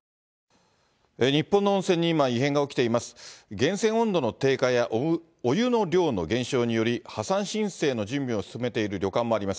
源泉温度の低下やお湯の量の減少により、破産申請の準備を進めている旅館もあります。